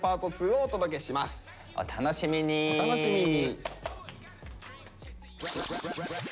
お楽しみに！